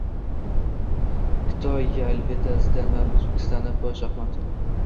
Kto yavlyayetsya zvezdami Uzbekistana po shaxmatam?